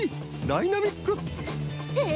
ダイナミック！へえ！